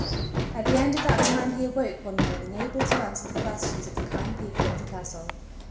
At the end of that time he aw^oke one morning able to answer the questions of the kind people of the Castle.